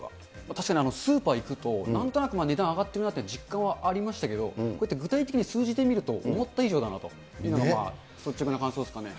確かにスーパー行くと、なんとなく値段上がってるなって実感はありましたけど、こうやって具体的に数字で見ると、思った以上だなというのが率直な感想ですかね。